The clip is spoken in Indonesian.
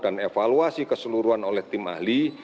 dan evaluasi keseluruhan oleh tim ahli